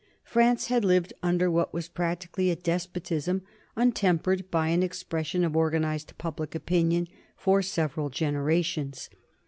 France had lived under what was practically a despotism untempered by an expression of organized public opinion for several generations.